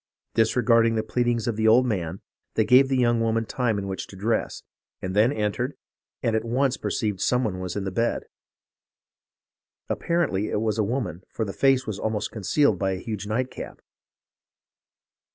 Disregarding the pleadings of the old man, they gave the young woman time in which to dress, and then entered, and at once perceived some one in the bed. Apparently it was a woman, for the face was almost concealed by a huge nightcap.